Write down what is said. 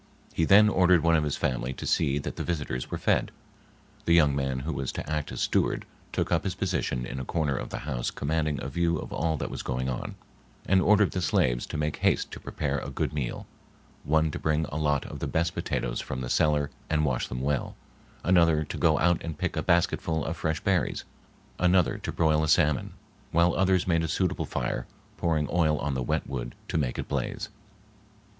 He then ordered one of his family to see that the visitors were fed. The young man who was to act as steward took up his position in a corner of the house commanding a view of all that was going on, and ordered the slaves to make haste to prepare a good meal; one to bring a lot of the best potatoes from the cellar and wash them well; another to go out and pick a basketful of fresh berries; another to broil a salmon; while others made a suitable fire, pouring oil on the wet wood to make it blaze.